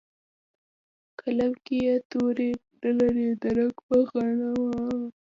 قلم کې یې توري نه لري د رنګ په غم غمجن